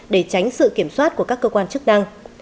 để tránh sự kiểm soát của các cơ quan chức năng